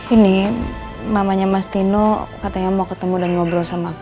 ini namanya mas tino katanya mau ketemu dan ngobrol sama aku